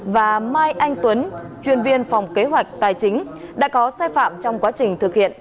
và mai anh tuấn chuyên viên phòng kế hoạch tài chính đã có sai phạm trong quá trình thực hiện